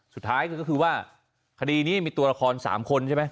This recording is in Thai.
สุดท้ายก็คือว่าคดีนี้มีตัวละคร๓คนใช่ไหม